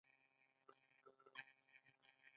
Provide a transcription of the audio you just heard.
زه خو له جګړې څخه تر پوزې راغلی یم.